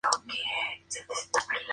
Es primo del cantante Pipe Calderón.